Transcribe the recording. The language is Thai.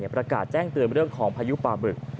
ประกาศแจ้งเตือนเรื่องของพายุปลาบึก